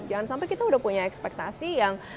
jangan sampai kita udah punya ekspektasi yang